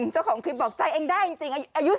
แบบนี้เลย